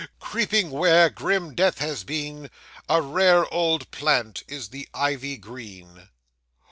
Creeping where grim death has been, A rare old plant is the Ivy green.